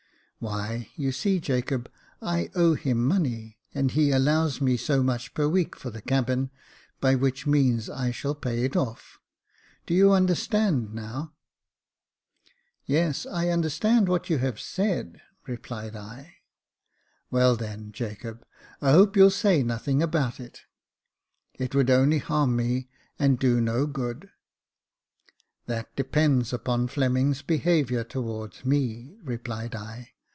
" Why, you see, Jacob, I owe him money, and he allows me so much per week for the cabin, by which means I shall pay it off. IDo you understand now ?"" Yes, I understand what you have said," replied I. "Well, then, Jacob, I hope you'll say nothing about it. It would only harm me, and do no good." *' That depends upon Fleming's behaviour towards me," replied I.